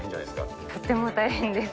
とっても大変です。